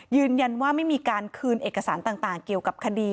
ยืนยันว่าไม่มีการคืนเอกสารต่างเกี่ยวกับคดี